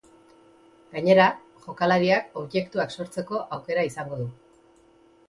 Gainera, jokalariak objektuak sortzeko aukera izango du.